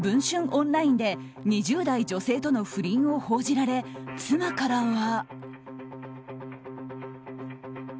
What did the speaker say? オンラインで２０代女性との不倫を報じられ妻からは。